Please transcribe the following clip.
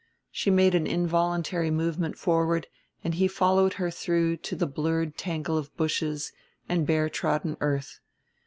She made an involuntary movement forward and he followed her through to the blurred tangle of bushes and bare trodden earth.